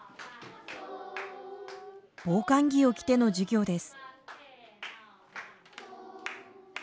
防寒着を着ての授業です。